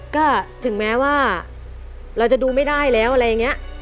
ก็ถึงแม้ว่าเราจะดูไม่ได้แล้วอะไรอย่างนี้